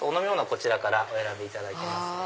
こちらからお選びいただいてますね。